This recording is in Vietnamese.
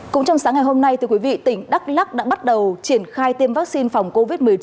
cũng trong sáng ngày hôm nay tỉnh đắk lắc đã bắt đầu triển khai tiêm vaccine phòng covid một mươi chín